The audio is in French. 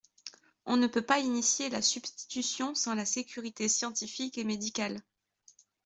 On ne peut pas initier la substitution sans la sécurité scientifique et médicale.